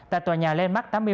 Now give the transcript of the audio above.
tại tòa nhà lên mắc tám mươi một